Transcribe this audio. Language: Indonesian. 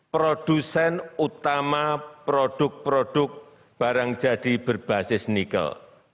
produsen utama produk produk barang jadi berbasis nikel